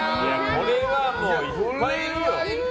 これはもういっぱいいるよ。